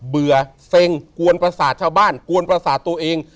เบื่อเซ็งกวนประสาทชาวบ้านกวนประสาทตัวเอง